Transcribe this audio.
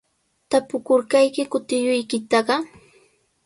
¿Tapurqaykiku tiyuykitaqa?